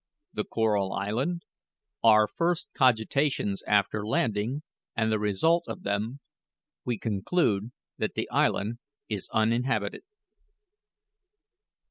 THE CORAL ISLAND OUR FIRST COGITATIONS AFTER LANDING AND THE RESULT OF THEM WE CONCLUDE THAT THE ISLAND IS UNINHABITED.